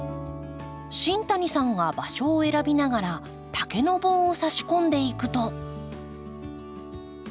新谷さんが場所を選びながら竹の棒を差し込んでいくと。